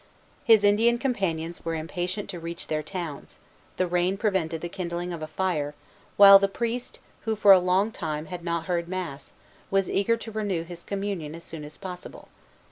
His Indian companions were impatient to reach their towns; the rain prevented the kindling of a fire; while the priest, who for a long time had not heard mass, was eager to renew his communion as soon as possible.